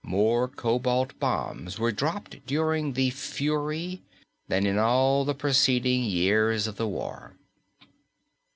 More cobalt bombs were dropped during the Fury than in all the preceding years of the war.